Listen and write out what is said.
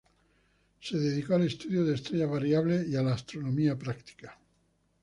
Se dedicó al estudio de estrellas variables y a la astronomía práctica.